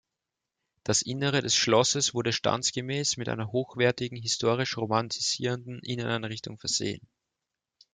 Das Innere des Schlosses wurde standesgemäß mit einer hochwertigen historistisch-romantisierenden Inneneinrichtung versehen.